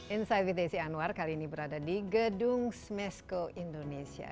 insight with desi anwar kali ini berada di gedung smesko indonesia